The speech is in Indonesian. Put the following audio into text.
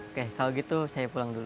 oke kalau gitu saya pulang dulu